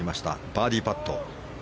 バーディーパット。